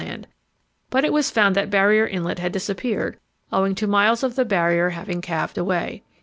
Land; but it was found that Barrier Inlet had disappeared, owing to miles of the Barrier having calved away.